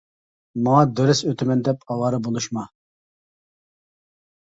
ماڭا دەرس ئۆتىمەن دەپ ئاۋارە بولۇشما!